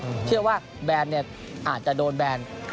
นี่คือว่าแบลน์เนี่ยอาจจะโดนแบลน์